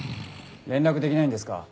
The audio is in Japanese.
連絡できないんですか？